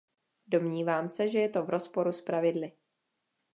Domnívám se, že je to v rozporu s pravidly.